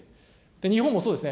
日本もそうですね。